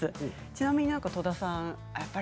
ちなみに何か、戸田さん